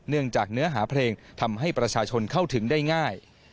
เนื้อจากเนื้อหาเพลงทำให้ประชาชนเข้าถึงได้ง่าย